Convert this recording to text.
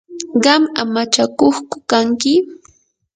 ¿qam amachakuqku kanki?